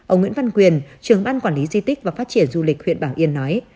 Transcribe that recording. ông nguyễn văn quyền trưởng ban quản lý di tích và phát triển du lịch huyện bảo yên nói